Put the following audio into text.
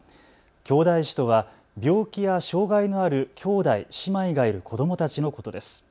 きょうだい児とは病気や障害のある兄弟姉妹がいる子どもたちのことです。